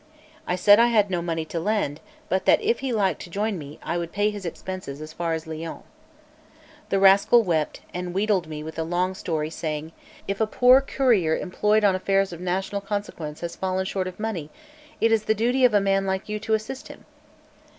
I said I had no money to lend, but that if he liked to join me, I would pay his expenses as far as Lyons. The rascal wept, and wheedled me with a long story, saying: "If a poor courier employed on affairs of national consequence has fallen short of money, it is the duty of a man like you to assist him."